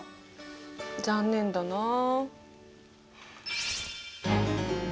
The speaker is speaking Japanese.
残念だなあ。